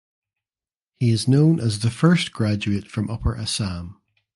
He is known as the first graduate from upper Assam.